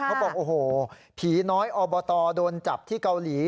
เขาบอกโอ้โหผีน้อยอบตโดนจับที่เกาหลี